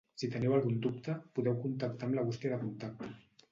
Si teniu algun dubte podeu contactar amb la Bústia de contacte.